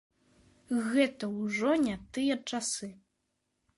Гэта ўжо не тыя часы.